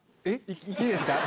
いいですか？